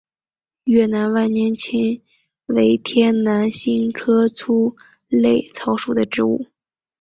越南万年青为天南星科粗肋草属的植物。